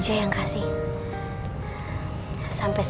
jadi yang ingin lagi serahai aun